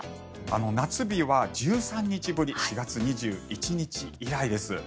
夏日は１３日ぶり４月２１日以来です。